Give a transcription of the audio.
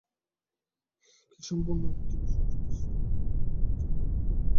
কী সম্পূর্ণ আত্মবিসর্জী দৃষ্টিতে তাঁহার মুখের দিকে চাহিয়া রহিল।